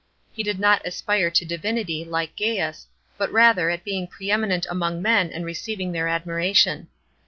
He did not aspire to divinity, like Gaius, but rather at being pre eminent among men and receiving their admiration.